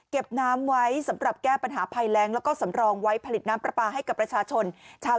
เก็บน้ำไว้สำหรับแก้ปัญหาไพรงและก็สำลองไว้ผลิตน้ำปลาให้กับประชาชนชาวจังหวัด